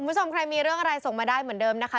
คุณผู้ชมใครมีเรื่องอะไรส่งมาได้เหมือนเดิมนะคะ